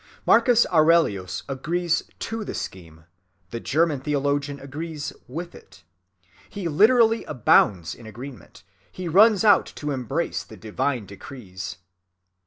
Marcus Aurelius agrees to the scheme—the German theologian agrees with it. He literally abounds in agreement, he runs out to embrace the divine decrees.